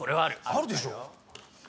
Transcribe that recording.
あるでしょ。